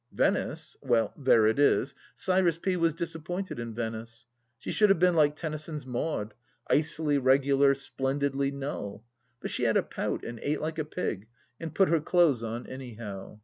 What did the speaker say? Venice — ^well, there it is — Cyrus P. was disappointed in Venice. She should have been like Tennyson's Maud, " icily regular, splendidly null," but she had a pout and ate like a pig and put her clothes on anyhow.